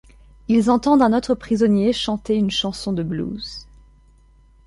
Ils entendent un autre prisonnier chanter une chanson de blues.